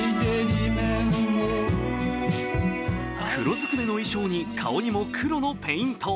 黒ずくめの衣装に顔にも黒のペイント。